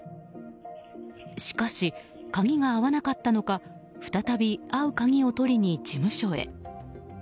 しかし、鍵が合わなかったのか再び合う鍵を取りに事務所へ。